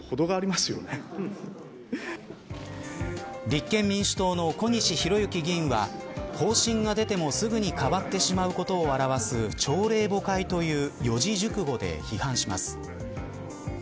立憲民主党の小西洋之議員は方針が出てもすぐに変わってしまうことを表す朝令暮改という四字熟語で批判します。